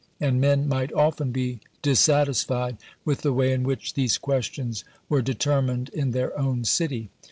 and men might often be dissatisfied with the way in which these questions were determined in their own city.